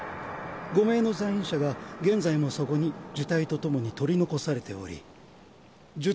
５名の在院者が現在もそこに呪胎と共に取り残されており呪